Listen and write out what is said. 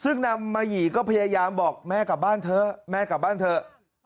ซึ่งนำมาหยี่ก็พยายามบอกแม่กลับบ้านเถอะแม่กลับบ้านเถอะ